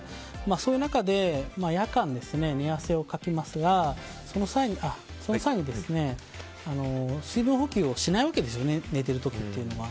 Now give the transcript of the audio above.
そういう中で夜間、寝汗をかきますがその際に水分補給をしないわけですよね寝てる時っていうのは。